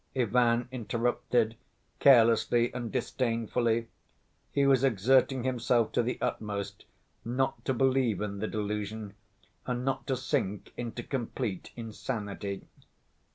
Ivan interrupted, carelessly and disdainfully. He was exerting himself to the utmost not to believe in the delusion and not to sink into complete insanity.